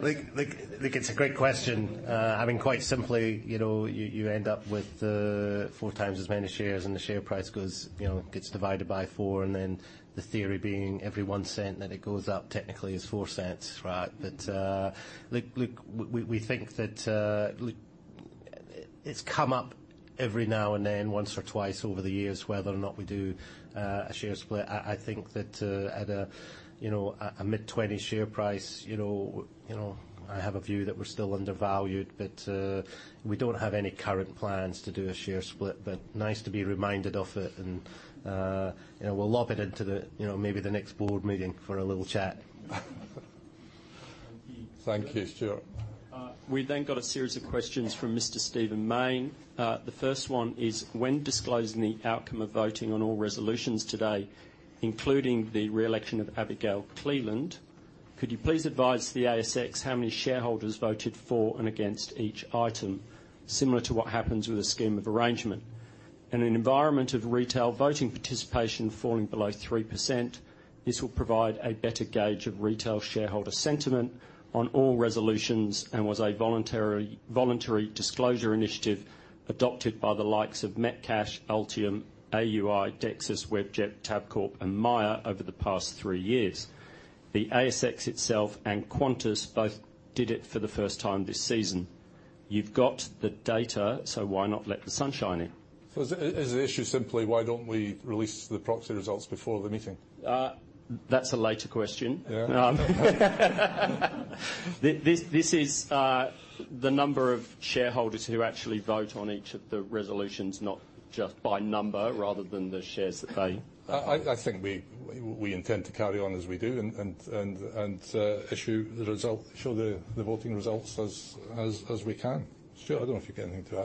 Look, it's a great question. I mean, quite simply, you know, you end up with 4x as many shares, and the share price goes, you know, gets divided by four, and then the theory being every $0.01 that it goes up, technically, is $0.04, right? But look, we think that look, it's come up every now and then, once or twice over the years, whether or not we do a share split. I think that, you know, at a mid-20 AUD share price, you know, you know, I have a view that we're still undervalued, but we don't have any current plans to do a share split. But nice to be reminded of it, and, you know, we'll lob it into the, you know, maybe the next board meeting for a little chat. Thank you, Stuart. We've then got a series of questions from Mr. Stephen Mayne. The first one is: When disclosing the outcome of voting on all resolutions today, including the re-election of Abi Cleland, could you please advise the ASX how many shareholders voted for and against each item, similar to what happens with a scheme of arrangement? In an environment of retail voting participation falling below 3%, this will provide a better gauge of retail shareholder sentiment on all resolutions, and was a voluntary, voluntary disclosure initiative adopted by the likes of Metcash, Altium, AUI, Dexus, Webjet, Tabcorp, and Myer over the past three years. The ASX itself and Qantas both did it for the first time this season. You've got the data, so why not let the sunshine in? So is the issue simply why don't we release the proxy results before the meeting? That's a later question. Yeah. This, this is, the number of shareholders who actually vote on each of the resolutions, not just by number, rather than the shares that they- I think we intend to carry on as we do and issue the result, show the voting results as we can. Stuart, I don't know if you got anything to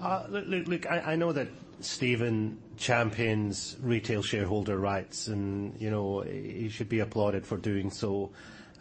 add. Look, look, look, I know that Stephen champions retail shareholder rights, and, you know, he should be applauded for doing so.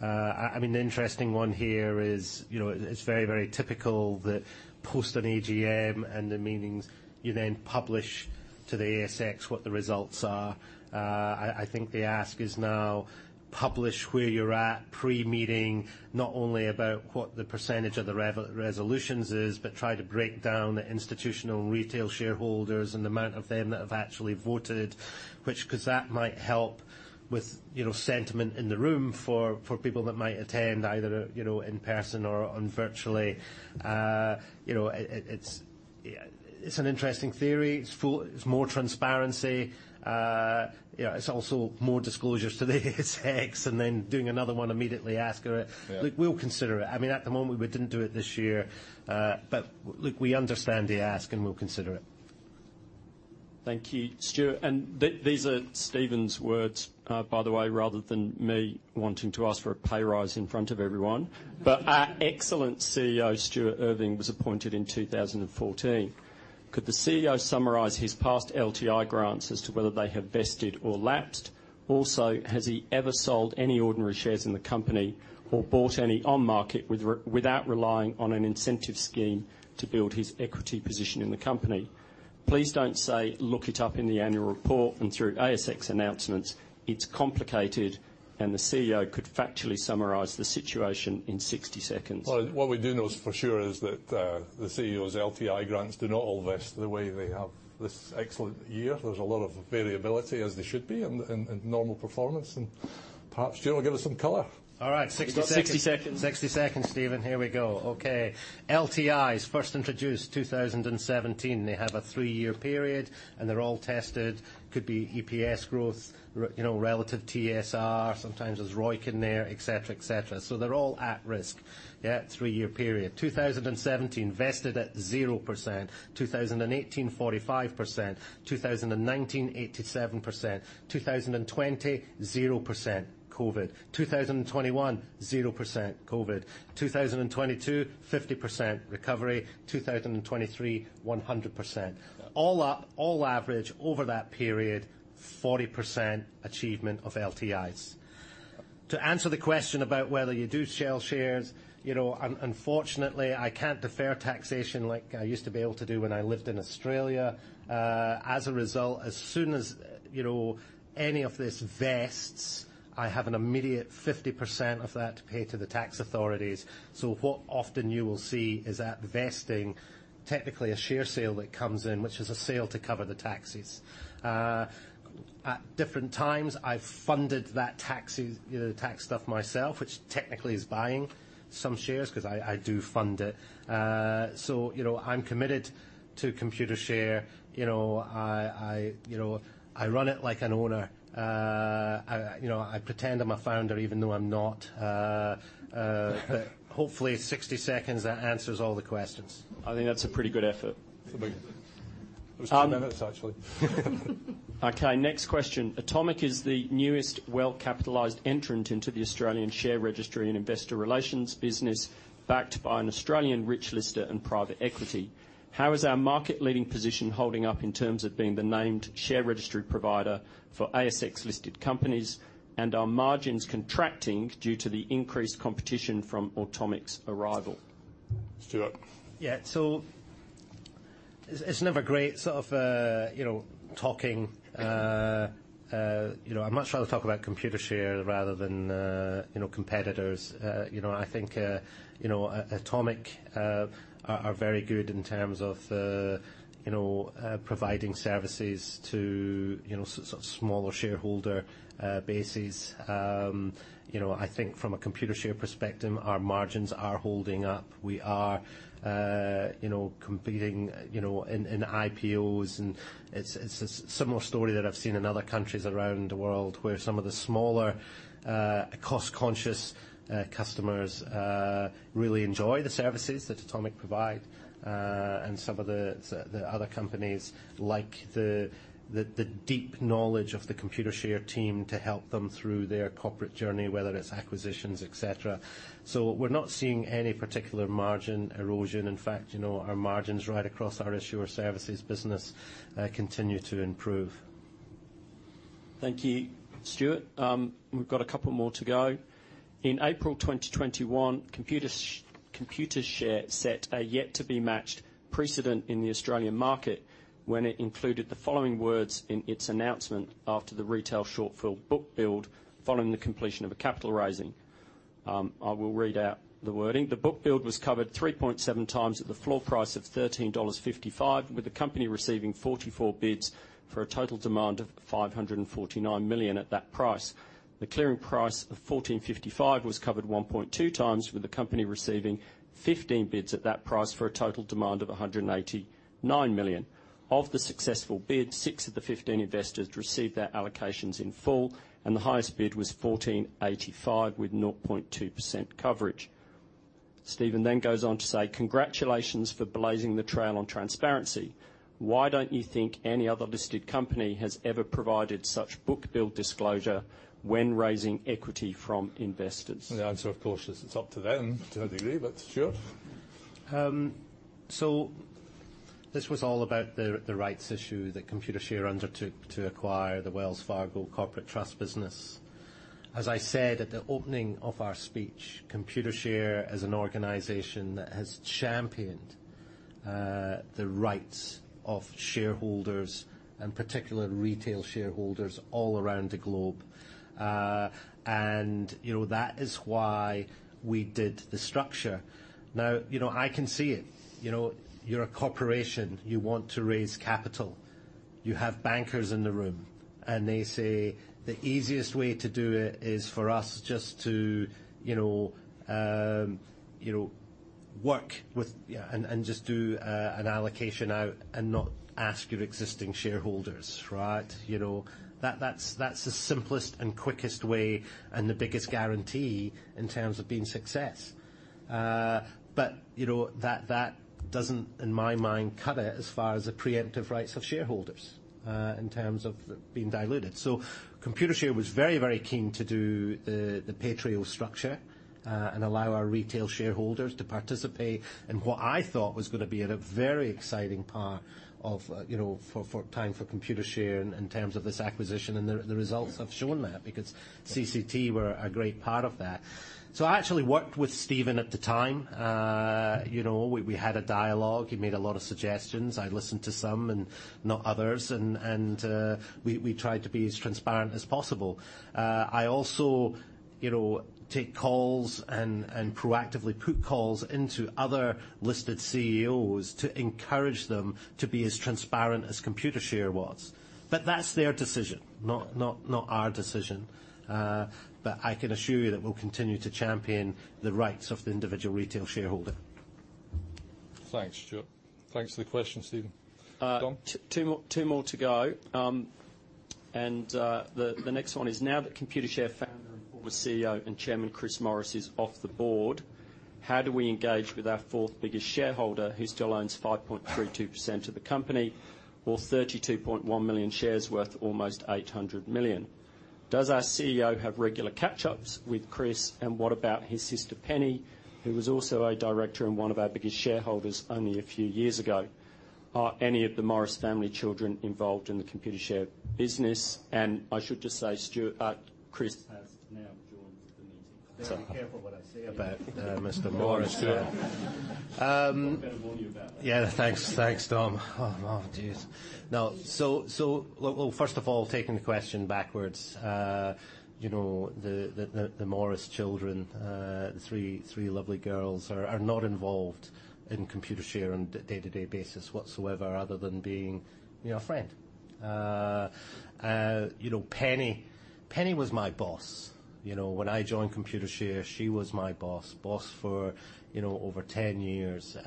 I mean, the interesting one here is, you know, it's very, very typical that post an AGM and the meetings, you then publish to the ASX what the results are. I think the ask is now publish where you're at pre-meeting, not only about what the percentage of the resolutions is, but try to break down the institutional and retail shareholders and the amount of them that have actually voted, which... Because that might help with, you know, sentiment in the room for people that might attend either, you know, in person or virtually. You know, it's, yeah, it's an interesting theory. It's more transparency. You know, it's also more disclosures to the ASX, and then doing another one immediately after it. Yeah. Look, we'll consider it. I mean, at the moment, we didn't do it this year, but look, we understand the ask and we'll consider it. Thank you, Stuart. And these are Stephen's words, by the way, rather than me wanting to ask for a pay raise in front of everyone. "But our excellent CEO, Stuart Irving, was appointed in 2014. Could the CEO summarize his past LTI grants as to whether they have vested or lapsed? Also, has he ever sold any ordinary shares in the company or bought any on market without relying on an incentive scheme to build his equity position in the company? Please don't say, 'Look it up in the annual report and through ASX announcements.' It's complicated, and the CEO could factually summarize the situation in 60 seconds. Well, what we do know for sure is that the CEO's LTI grants do not all vest the way they have this excellent year. There's a lot of variability, as there should be, in normal performance. And perhaps, Stuart, give us some color. All right. 60 seconds. 60 seconds, Stephen. Here we go. Okay. LTIs, first introduced 2017. They have a three-year period, and they're all tested. Could be EPS growth, you know, relative TSR, sometimes there's ROIC in there, et cetera, et cetera. So they're all at risk. Yeah, three-year period. 2017, vested at 0%. 2018, 45%. 2019, 87%. 2020, 0%, COVID. 2021, 0%, COVID. 2022, 50%, recovery. 2023, 100%. All up, all average over that period, 40% achievement of LTIs. To answer the question about whether you do sell shares, you know, unfortunately, I can't defer taxation like I used to be able to do when I lived in Australia. As a result, as soon as, you know, any of this vests, I have an immediate 50% of that to pay to the tax authorities. So what often you will see is at vesting, technically a share sale that comes in, which is a sale to cover the taxes. At different times, I've funded that tax, you know, tax stuff myself, which technically is buying some shares, 'cause I, I do fund it. So, you know, I'm committed to Computershare. You know, I, I, you know, I run it like an owner. I, you know, I pretend I'm a founder, even though I'm not. Hopefully, 60 seconds, that answers all the questions. I think that's a pretty good effort. It was two minutes, actually. Okay, next question: Automic is the newest well-capitalized entrant into the Australian share registry and investor relations business, backed by an Australian rich lister and private equity. How is our market-leading position holding up in terms of being the named share registry provider for ASX-listed companies, and are margins contracting due to the increased competition from Automic's arrival?... Stuart? Yeah, so it's, it's never great sort of, you know, talking, you know, I'd much rather talk about Computershare rather than, you know, competitors. You know, I think, you know, Automic are very good in terms of the, you know, providing services to, you know, sort of smaller shareholder bases. You know, I think from a Computershare perspective, our margins are holding up. We are, you know, competing, you know, in, in IPOs, and it's a similar story that I've seen in other countries around the world, where some of the smaller, cost-conscious customers really enjoy the services that Automic provide. And some of the deep knowledge of the Computershare team to help them through their corporate journey, whether it's acquisitions, et cetera. So we're not seeing any particular margin erosion. In fact, you know, our margins right across our issuer services business continue to improve. Thank you, Stuart. We've got a couple more to go. In April 2021, Computershare set a yet to be matched precedent in the Australian market when it included the following words in its announcement after the retail shortfall book build, following the completion of a capital raising. I will read out the wording: "The book build was covered 3.7x at the floor price of $13.55, with the company receiving 44 bids for a total demand of $549 million at that price. The clearing price of $14.55 was covered 1.2x, with the company receiving 15 bids at that price for a total demand of $189 million. Of the successful bids, six of the 15 investors received their allocations in full, and the highest bid was $14.85, with 0.2% coverage." Stephen then goes on to say, "Congratulations for blazing the trail on transparency. Why don't you think any other listed company has ever provided such book build disclosure when raising equity from investors? The answer, of course, is it's up to them, to a degree, but sure. So this was all about the rights issue that Computershare undertook to acquire the Wells Fargo corporate trust business. As I said at the opening of our speech, Computershare is an organization that has championed the rights of shareholders, and particularly retail shareholders, all around the globe. And, you know, that is why we did the structure. Now, you know, I can see it. You know, you're a corporation, you want to raise capital. You have bankers in the room, and they say, "The easiest way to do it is for us just to, you know, work with... Yeah, and just do an allocation out and not ask your existing shareholders," right? You know, that's the simplest and quickest way, and the biggest guarantee in terms of being success. But, you know, that doesn't, in my mind, cut it as far as the preemptive rights of shareholders in terms of being diluted. So Computershare was very, very keen to do the PAITREO structure and allow our retail shareholders to participate in what I thought was gonna be a very exciting part of, you know, for time for Computershare in terms of this acquisition. And the results have shown that, because CCT were a great part of that. So I actually worked with Stephen at the time. You know, we had a dialogue. He made a lot of suggestions. I listened to some and not others, and we tried to be as transparent as possible. I also, you know, take calls and proactively put calls into other listed CEOs to encourage them to be as transparent as Computershare was. But that's their decision, not our decision. But I can assure you that we'll continue to champion the rights of the individual retail shareholder. Thanks, Stuart. Thanks for the question, Stephen. Dom? Two more, two more to go. And the next one is: Now that Computershare founder and former CEO and Chairman Chris Morris is off the board, how do we engage with our fourth biggest shareholder, who still owns 5.32% of the company, or 32.1 million shares worth almost $800 million? Does our CEO have regular catch-ups with Chris, and what about his sister, Penny, who was also a director and one of our biggest shareholders only a few years ago? Are any of the Morris family children involved in the Computershare business? And I should just say, Stuart, Chris has now joined the meeting. Better be careful what I say about Mr. Morris. Um- Better warn you about that. Yeah, thanks. Thanks, Dom. Oh, oh, jeez. Now, well, first of all, taking the question backwards, you know, the Morris children, the three lovely girls are not involved in Computershare on a day-to-day basis whatsoever, other than being, you know, a friend. You know, Penny was my boss. You know, when I joined Computershare, she was my boss. Boss for, you know, over 10 years. You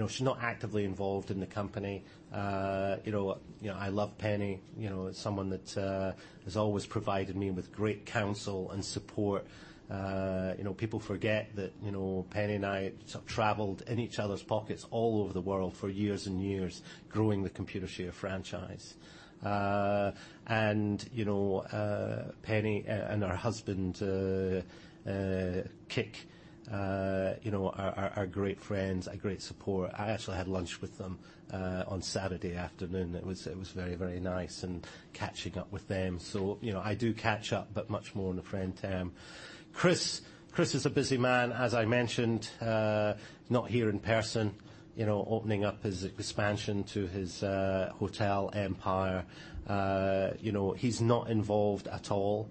know, she's not actively involved in the company. You know, I love Penny. You know, as someone that has always provided me with great counsel and support. You know, people forget that, you know, Penny and I sort of traveled in each other's pockets all over the world for years and years, growing the Computershare franchise. You know, Penny and her husband, Kick, you know, are great friends, a great support. I actually had lunch with them on Saturday afternoon. It was very, very nice and catching up with them. So, you know, I do catch up, but much more on a friend term. Chris is a busy man, as I mentioned, not here in person. You know, opening up his expansion to his hotel empire. You know, he's not involved at all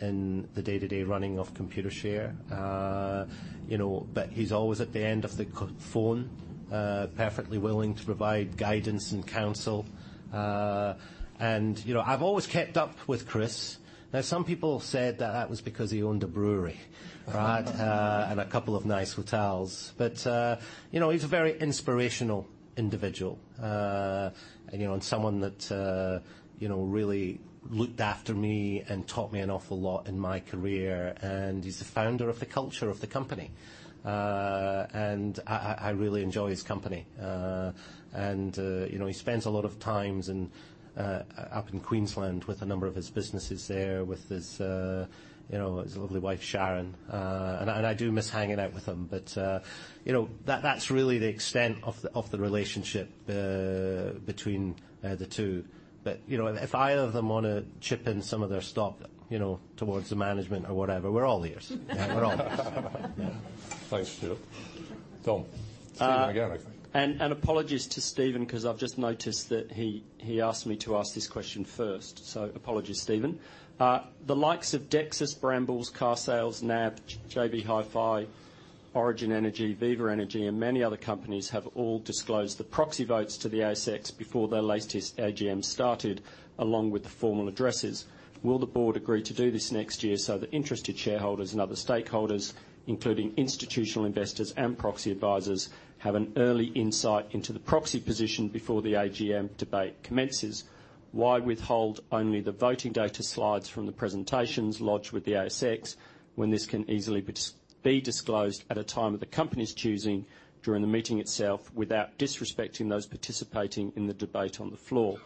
in the day-to-day running of Computershare. You know, but he's always at the end of the phone, perfectly willing to provide guidance and counsel. And, you know, I've always kept up with Chris. Now, some people have said that was because he owned a brewery, right? And a couple of nice hotels. But, you know, he's a very inspirational individual. You know, and someone that, you know, really looked after me and taught me an awful lot in my career. And he's the founder of the culture of the company. And I really enjoy his company. And, you know, he spends a lot of times in up in Queensland with a number of his businesses there, with his, you know, his lovely wife, Sharon. And I do miss hanging out with him. But, you know, that's really the extent of the relationship between the two. But, you know, if either of them wanna chip in some of their stock, you know, towards the management or whatever, we're all ears. We're all ears. Thanks, Stuart. Dom? Stephen, again, I think. and apologies to Stephen, 'cause I've just noticed that he asked me to ask this question first. So apologies, Stephen. The likes of Dexus, Brambles, Carsales, NAB, JB Hi-Fi, Origin Energy, Viva Energy, and many other companies have all disclosed the proxy votes to the ASX before their latest AGM started, along with the formal addresses. Will the board agree to do this next year so that interested shareholders and other stakeholders, including institutional investors and proxy advisors, have an early insight into the proxy position before the AGM debate commences? Why withhold only the voting data slides from the presentations lodged with the ASX, when this can easily be disclosed at a time of the company's choosing during the meeting itself, without disrespecting those participating in the debate on the floor?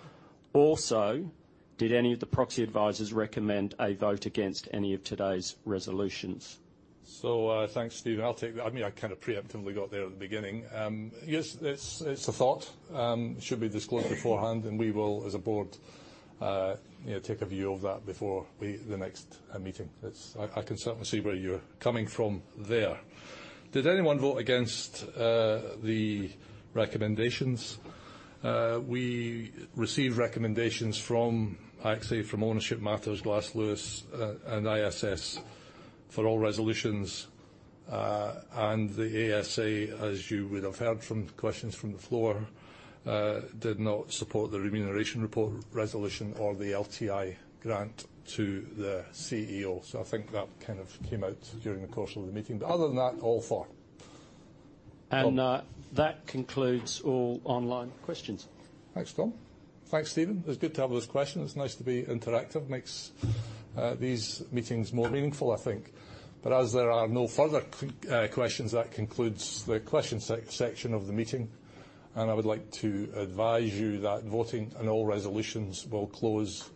Also, did any of the proxy advisors recommend a vote against any of today's resolutions? So, thanks, Stephen. I'll take... I mean, I kind of preemptively got there at the beginning. Yes, it's a thought. Should be disclosed beforehand, and we will, as a board, you know, take a view of that before the next meeting. It's, I can certainly see where you're coming from there. Did anyone vote against the recommendations? We received recommendations from actually from Ownership Matters, Glass Lewis, and ISS, for all resolutions. And the ASA, as you would have heard from questions from the floor, did not support the remuneration report resolution or the LTI grant to the CEO. So I think that kind of came out during the course of the meeting. But other than that, all for. That concludes all online questions. Thanks, Dom. Thanks, Stephen. It's good to have all those questions. It's nice to be interactive, makes these meetings more meaningful, I think. But as there are no further questions, that concludes the question section of the meeting, and I would like to advise you that voting and all resolutions will close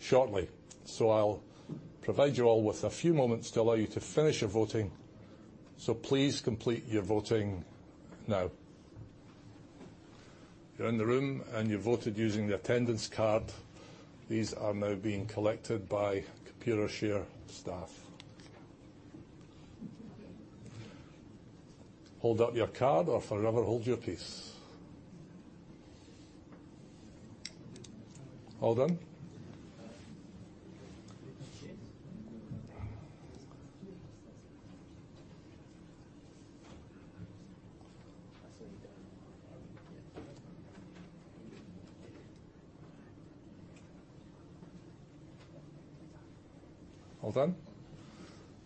shortly. So I'll provide you all with a few moments to allow you to finish your voting. So please complete your voting now. If you're in the room and you voted using the attendance card, these are now being collected by Computershare staff. Hold up your card or forever hold your peace. All done? Yes. All done?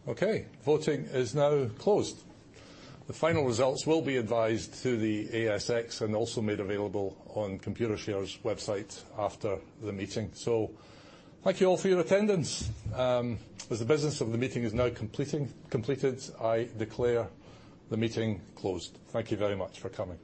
Okay, voting is now closed. The final results will be advised to the ASX and also made available on Computershare's website after the meeting. Thank you all for your attendance. As the business of the meeting is now completed, I declare the meeting closed. Thank you very Much for coming.